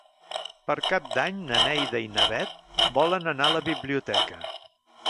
Per Cap d'Any na Neida i na Bet volen anar a la biblioteca.